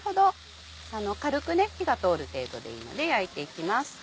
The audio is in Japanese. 軽く火が通る程度でいいので焼いていきます。